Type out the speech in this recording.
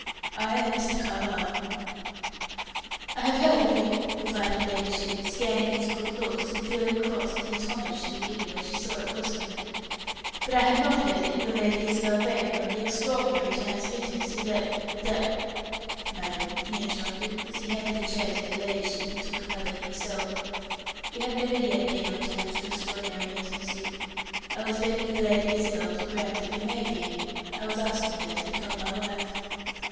"I am Mr. Carlyle." "I have heard of you," replied her ladyship, scanning his good looks, and feeling cross that his homage should be given where she saw it was given, "but I had not heard that you and Lady Isabel Vane were on the extraordinary terms of intimacy that that " "Madam," he interrupted as he handed a chair to her ladyship and took another himself, "we have never yet been on terms of extraordinary intimacy. I was begging the Lady Isabel to grant that we may be; I was asking her to become my wife."